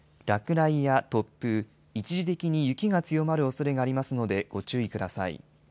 落雷や突風、一時的に雪が強まるおそれがありますので、ご注意ください。